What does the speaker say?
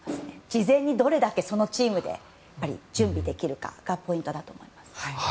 事前にどれだけそのチームで準備できるかがポイントだと思います。